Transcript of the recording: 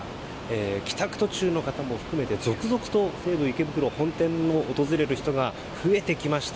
帰宅途中の方も含めて続々と西武池袋本店を訪れる人が増えてきました。